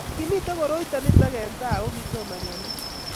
kimito koroito nito eng' tai aku kitomo kenai